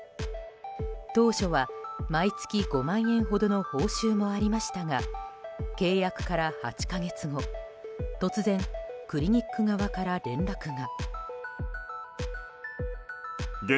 当初は毎月５万円ほどの報酬もありましたが契約から８か月後突然、クリニック側から連絡が。